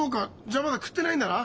じゃあまだ食ってないんだな。